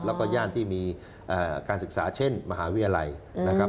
แล้วก็ย่านที่มีการศึกษาเช่นมหาวิทยาลัยนะครับ